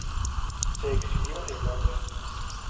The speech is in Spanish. Se exilió en Londres.